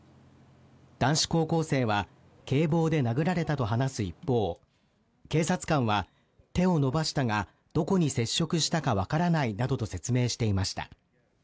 男子高校生は警棒で殴られたと話す一方警察官は手を伸ばしたがどこに接触したかわからないなどと説明していました